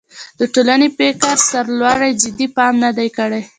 د ټولنې فکري سرلارو جدي پام نه دی کړی.